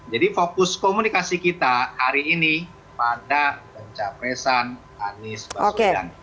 jadi fokus komunikasi kita hari ini pada benca presan anies basudan